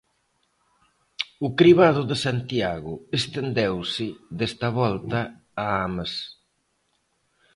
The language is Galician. O cribado de Santiago estendeuse desta volta a Ames.